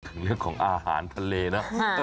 เรื่องของอาหารทะเลนะ